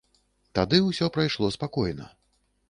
Тады ўсё прайшло спакойна.